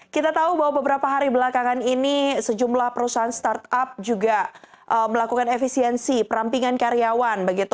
kita tahu bahwa beberapa hari belakangan ini sejumlah perusahaan startup juga melakukan efisiensi perampingan karyawan